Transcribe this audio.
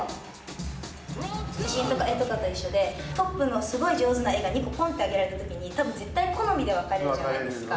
写真とか絵と一緒でトップのすごい上手な絵が２個ポンとあげられたときに多分絶対好みで分かれるじゃないですか。